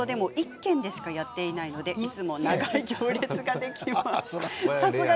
地元でも１軒しかやっていないのでいつも長い行列ができます。